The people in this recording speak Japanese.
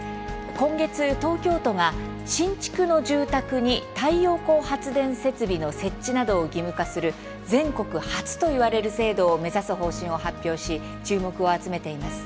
今月、東京都が新築の住宅に太陽光発電設備の設置などを義務化する全国初といわれる制度を目指す方針を発表し注目を集めています。